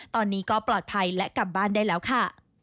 ตอนนี้ก็ปลอดภัยและกลับบ้านได้แล้วค่ะ